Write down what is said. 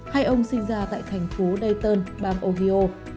hai ông sinh ra tại thành phố daeton bang ohio